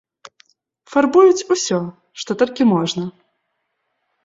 Фарбуюць усё, што толькі можна.